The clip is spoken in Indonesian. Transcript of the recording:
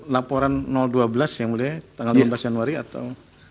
laporan dua belas yang mulia tanggal enam belas januari atau